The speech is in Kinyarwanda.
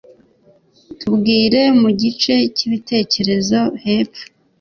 Tubwire mu gice cyibitekerezo hepfo.